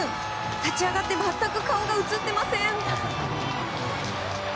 立ち上がって全く顔が映っていません。